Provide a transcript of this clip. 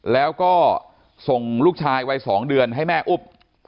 แล้วก็ส่งลูกชายวัย๒เดือนให้แม่อุ้ม